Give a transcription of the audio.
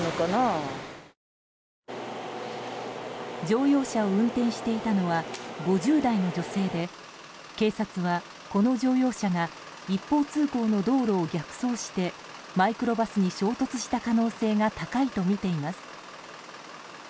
乗用車を運転していたのは５０代の女性で警察は、この乗用車が一方通行の道路を逆走してマイクロバスに衝突した可能性が高いとみています。